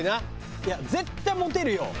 いや絶対モテるよ。